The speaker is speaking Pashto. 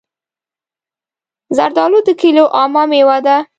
زردالو د کلیو عامه مېوه ده.